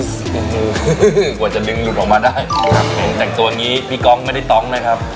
อุ้ยว่าจะดึงลูกออกมาได้ครับแจกตัวอย่างงี้พี่ก๊อล์ไม่ได้ต้องเลยครับ